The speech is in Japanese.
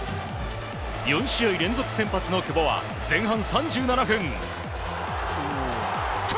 ４試合連続先発の久保は前半３７分。